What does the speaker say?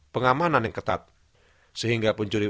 pengamanan yang ketat sehingga pencuri